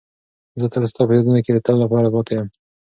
زه تل ستا په یادونو کې د تل لپاره پاتې یم.